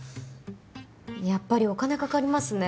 やっぱりお金かかりますね